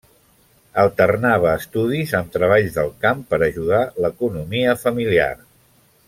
Alternava estudis amb treballs del camp per ajudar l'economia familiar.